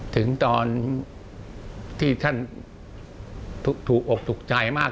ถึงตอนที่ท่านถูกอกถูกใจมาก